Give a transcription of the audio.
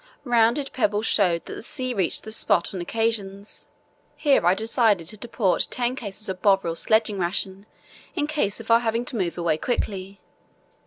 Rounded pebbles showed that the seas reached the spot on occasions. Here I decided to depot ten cases of Bovril sledging ration in case of our having to move away quickly.